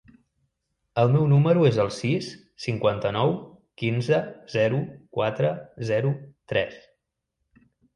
El meu número es el sis, cinquanta-nou, quinze, zero, quatre, zero, tres.